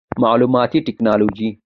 معلوماتي ټکنالوجي